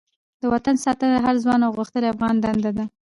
د وطن ساتنه د هر ځوان او غښتلې افغان دنده ده.